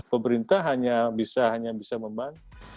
pemerintah hanya bisa hanya bisa membantu